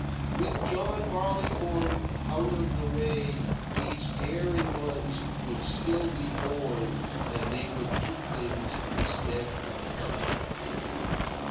With John Barleycorn out of the way, these daring ones would still be born, and they would do things instead of perishing.